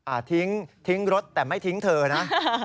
ทิ้งทิ้งรถแต่ไม่ทิ้งเธอนะ